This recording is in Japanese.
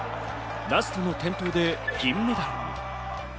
ラストの転倒で銀メダルに。